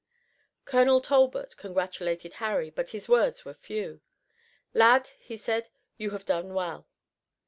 Colonel Talbot congratulated Harry, but his words were few. "Lad," he said, "you have done well."